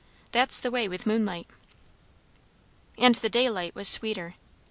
That's the way with moonlight. And the daylight was sweeter.